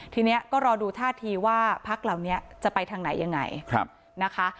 ทีนี้ก็รอดูท่าทีว่าพักเหล่านี้จะไปทางไหนยังไงนะคะ